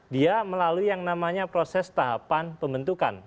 dia melalui yang namanya proses tahapan pembentukan